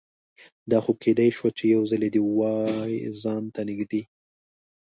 دا خو کیدای شوه چې یوځلې دې وای ځان ته نږدې